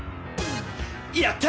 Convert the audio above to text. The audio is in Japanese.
やった！